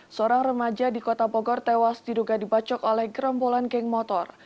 seorang remaja di kota bogor tewas diduga dibacok oleh gerombolan geng motor